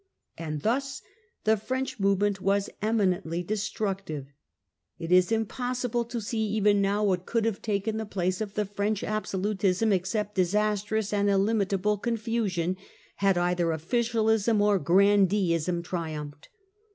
And thus the French movement was as eminently destructive. It is impossible to see even now what could have taken the place of the French absolutism except disastrous and illimitable confusion, had either officialism or grandeeism triumphed.